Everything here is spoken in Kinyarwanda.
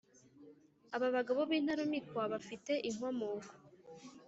Aba bagabo b’Intarumikwa bafite inkomoko